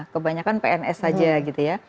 kebanyakan pns saja gitu ya